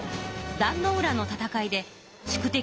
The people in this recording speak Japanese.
壇ノ浦の戦いで宿敵